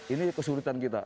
ini kesulitan kita